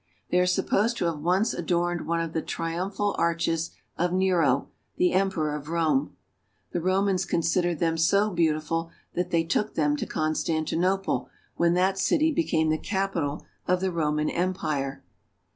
They are supposed to have once adorned one of the triumphal arches of Nero, the emperor of Rome. The Romans considered them so beautiful that they took them to Constantinople when that city be came the capital of the Roman Empire.